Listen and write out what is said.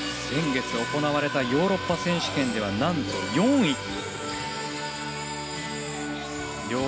先月行われたヨーロッパ選手権ではなんと４位。